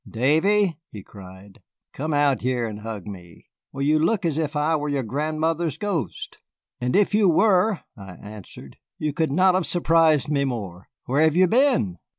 "Davy," he cried, "come out here and hug me. Why, you look as if I were your grandmother's ghost." "And if you were," I answered, "you could not have surprised me more. Where have you been?"